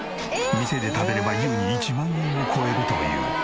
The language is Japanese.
店で食べれば優に１万円を超えるという。